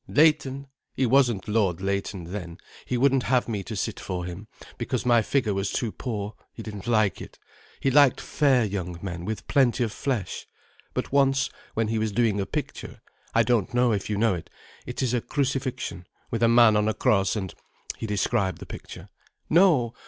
"Leighton—he wasn't Lord Leighton then—he wouldn't have me to sit for him, because my figure was too poor, he didn't like it. He liked fair young men, with plenty of flesh. But once, when he was doing a picture—I don't know if you know it? It is a crucifixion, with a man on a cross, and—" He described the picture. "No!